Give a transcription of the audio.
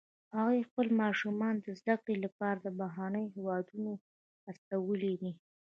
هغوی خپل ماشومان د زده کړې لپاره بهرنیو هیوادونو ته استولي دي